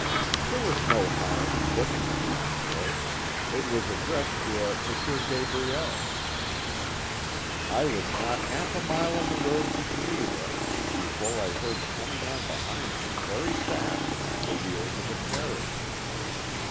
"There was no harm in looking at the envelope; it was addressed to a M. Gabriel. I was not half a mile on the road to Geneva before I heard coming on behind me very fast the wheels of a carriage.